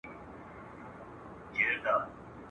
« څوک د درست جهان پاچا ظاهر ګدا وي» ..